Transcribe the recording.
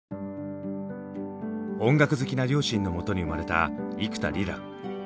音楽好きな両親のもとに生まれた幾田りら。